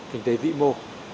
kinh tế dị mô